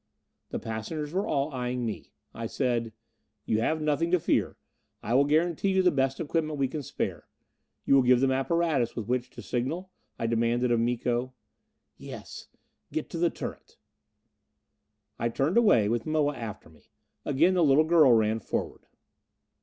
The passengers were all eyeing me. I said: "You have nothing to fear. I will guarantee you the best equipment we can spare. You will give them apparatus with which to signal?" I demanded of Miko. "Yes. Get to the turret." I turned away, with Moa after me. Again the little girl ran forward.